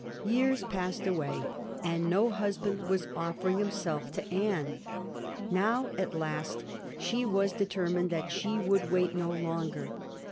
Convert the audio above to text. Years passed away and no husband was offer ing himself to Anne. Now at last she was determined that she would wait no longer.